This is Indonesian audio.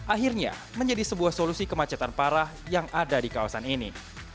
akhirnya menjadi sebuah solusi kemacetan parah yang ada di kawasan ini